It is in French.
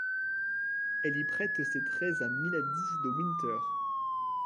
Elle y prête ses traits à Milady de Winter.